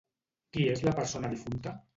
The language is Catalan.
Qui és la persona difunta?